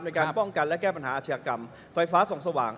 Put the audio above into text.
ในการป้องกันและแก้ปัญหาอาชญากรรมไฟฟ้าส่องสว่าง